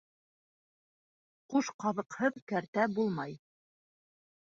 Ҡуш ҡаҙыҡһыҙ кәртә булмай.